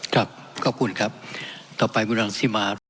ครับขอบคุณครับต่อไปคุณรังสิมา